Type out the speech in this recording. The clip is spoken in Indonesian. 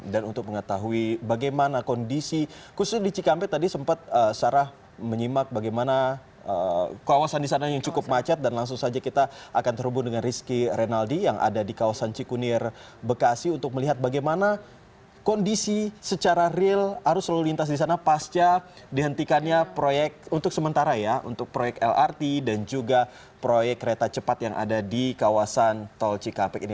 dan untuk mengetahui bagaimana kondisi khususnya di cikampek tadi sempat sarah menyimak bagaimana kawasan di sana yang cukup macet dan langsung saja kita akan terhubung dengan rizky rinaldi yang ada di kawasan cikunir bekasi untuk melihat bagaimana kondisi secara real arus lalu lintas di sana pasca dihentikannya proyek untuk sementara ya untuk proyek lrt dan juga proyek kereta cepat yang ada di kawasan tol cikampek ini